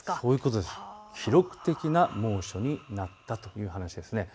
記録的な猛暑になったという話です。